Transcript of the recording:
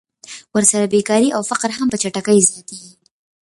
ورسره بېکاري او فقر هم په چټکۍ زیاتېږي